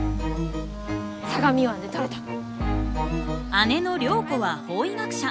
姉の涼子は法医学者。